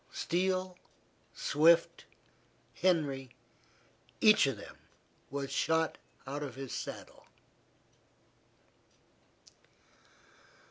Steel, Swift, Henry, each of them was shot out of his saddle.